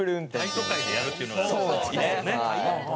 大都会でやるっていうのがいいですよね。